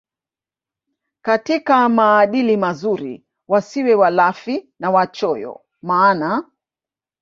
katika maadili mazuri wasiwe walafi na wachoyo maana